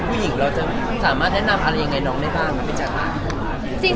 ผู้หญิงเราจะสามารถแนะนำอะไรยังไงน้องได้บ้างครับพี่แจ๊ค